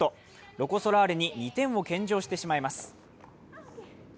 ロコ・ソラーレに２点を献上してしまいます。